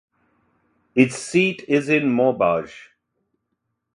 Its seat is in Maubeuge.